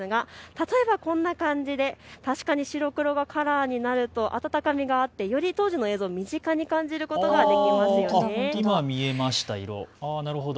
例えばこんな感じで白黒がカラーになると温かみがあってより当時の映像を身近に感じることができますね。